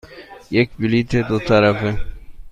یک بلیط دو طرفه.